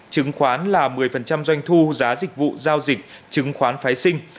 chứng khoán là một mươi doanh thu giá dịch vụ giao dịch chứng khoán phái sinh